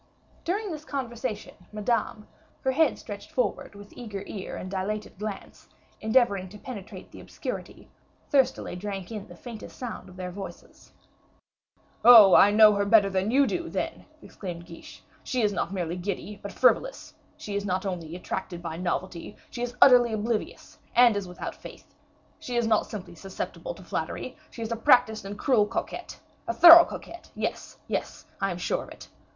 During this conversation, Madame, her head stretched forward with eager ear and dilated glance, endeavoring to penetrate the obscurity, thirstily drank in the faintest sound of their voices. "Oh, I know her better than you do, then!" exclaimed Guiche. "She is not merely giddy, but frivolous; she is not only attracted by novelty, she is utterly oblivious, and is without faith; she is not simply susceptible to flattery, she is a practiced and cruel coquette. A thorough coquette! yes, yes, I am sure of it.